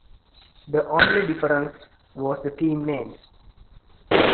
The only difference was the team names.